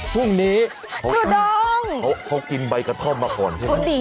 ต้องเข้ากับบรรยากาศแบบนี้